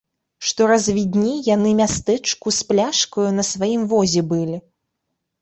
Што раз відней яны мястэчку з пляшкаю на сваім возе былі.